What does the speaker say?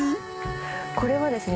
これはですね